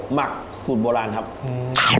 หมักสูตรโบราณครับอืม